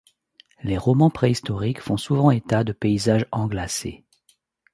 Les romans préhistoriques font souvent état des paysages englacés.